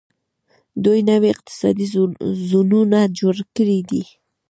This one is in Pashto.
دوی نوي اقتصادي زونونه جوړ کړي دي.